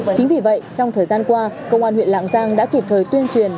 chính vì vậy trong thời gian qua công an huyện lạng giang đã kịp thời tuyên truyền